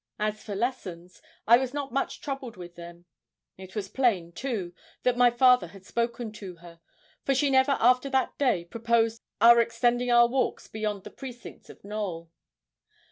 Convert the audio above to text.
As for lessons, I was not much troubled with them. It was plain, too, that my father had spoken to her, for she never after that day proposed our extending our walks beyond the precincts of Knowl.